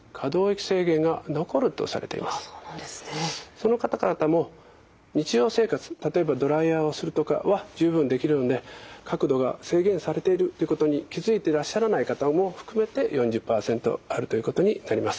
その方々も日常生活例えばドライヤーをするとかは十分できるので角度が制限されているということに気付いていらっしゃらない方も含めて４０％あるということになります。